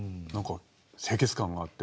清潔感があって。